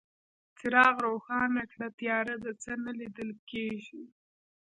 څراغ روښانه کړه، تياره ده، څه نه ليدل کيږي.